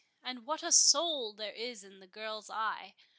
And what a soul there is in the girl's eye!